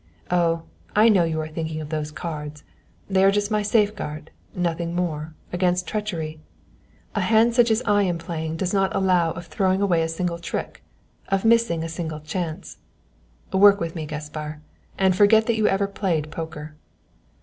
Oh, I know you are thinking of those cards they are just my safeguard, nothing more, against treachery. A hand such as I am playing does not allow of throwing away a single trick, of missing a single chance. Work with me, Gaspar, and forget that you ever played poker."